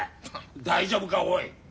大丈夫かおい。